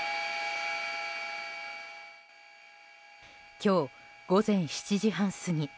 今日午前７時半過ぎ